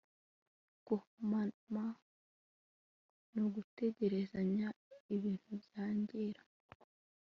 guhomahoma ni uguterateranya ibintu byangira